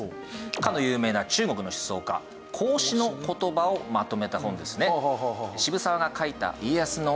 かの有名な中国の思想家孔子の言葉をまとめた本ですね。